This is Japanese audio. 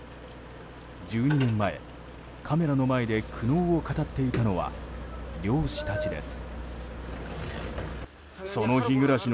１２年前、カメラの前で苦悩を語っていたのは漁師たちです。